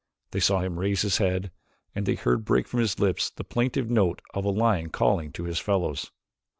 They saw him raise his head and they heard break from his lips the plaintive note of a lion calling to his fellows.